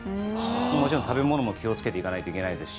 もちろん食べ物も気をつけないといけないですし。